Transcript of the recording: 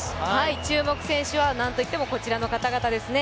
注目選手はなんといってもこちらの方々ですね。